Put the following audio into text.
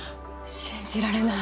信じられない。